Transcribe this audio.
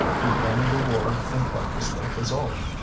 We won the war and what was the result?